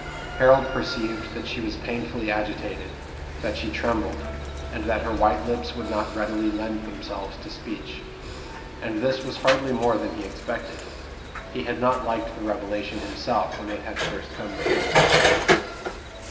Harold perceived that she was painfully agitated, that she trembled, and that her white lips would not readily lend themselves to speech. And this was hardly more than he expected. He had not liked the revelation himself when it had first come to him.